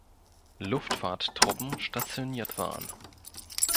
Luftfahrtruppen stationiert waren.